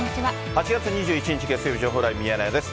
８月２１日月曜日、情報ライブミヤネ屋です。